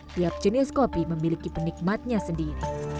tiap jenis kopi memiliki penikmatnya sendiri